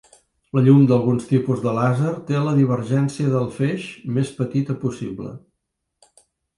La llum d'alguns tipus de làser té la divergència del feix més petita possible.